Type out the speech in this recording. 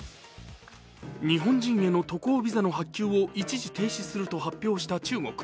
日本人への渡航ビザの発給を一時停止すると発表した中国。